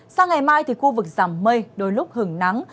sang ngày mai thì khu vực giảm mây đôi lúc hứng nắng